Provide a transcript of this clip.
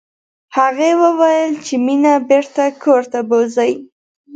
هغې وویل چې مينه بېرته کور ته بوزئ